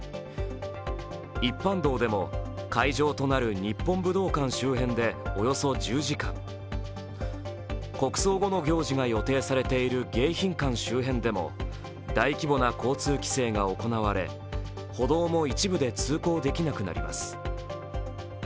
一般道でも、会場となる日本武道館周辺でおよそ１０時間国葬後の行事が予定されている迎賓館周辺でも大規模な交通規制が行われ、歩道も一部で通行できなくなります。